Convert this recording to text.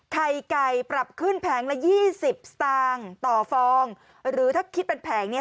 ไข่ไก่ปรับขึ้นแผงละยี่สิบสตางค์ต่อฟองหรือถ้าคิดเป็นแผงเนี้ย